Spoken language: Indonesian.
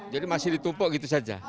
jadi masih ditumpuk gitu saja